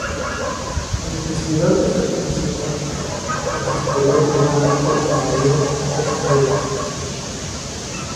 Su impulsividad es catalizada por su superior y buen amigo, el mayor Jackson Briggs.